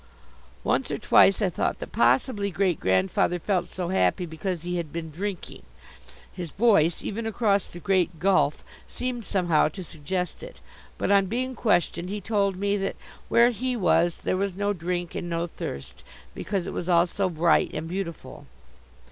Once or twice I thought that possibly Great grandfather felt so happy because he had been drinking: his voice, even across the great gulf, seemed somehow to suggest it. But on being questioned he told me that where he was there was no drink and no thirst, because it was all so bright and beautiful.